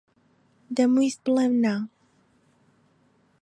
دەمویست بڵێم نا.